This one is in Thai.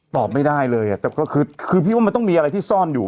ตอบไม่ได้เลยอ่ะแต่ก็คือคือพี่ว่ามันต้องมีอะไรที่ซ่อนอยู่